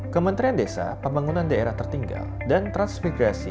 kementerian desa pembangunan daerah tertinggal dan transmigrasi